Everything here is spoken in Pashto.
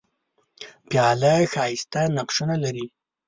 پیاله ښايسته نقشونه لري.